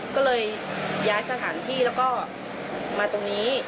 ก็เลยย้ายสถานที่แล้วก็มาตรงนี้